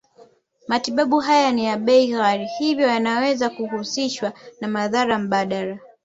Matibabu haya ni ya bei ghali hivyo yanaweza kuhusishwa na madhara mbadala